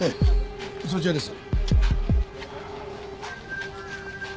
そちらです。